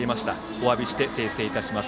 おわびして訂正いたします。